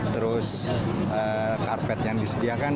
terus karpet yang disediakan